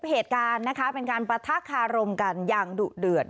เหตุการณ์นะคะเป็นการปะทะคารมกันอย่างดุเดือด